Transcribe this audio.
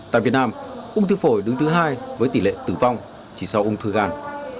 tại việt nam ung thư phổi đứng thứ hai với tỷ lệ tử vong chỉ sau ung thư gan